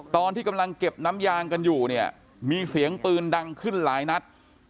ตอนที่กำลังเก็บน้ำยางกันอยู่เนี่ยมีเสียงปืนดังขึ้นหลายนัด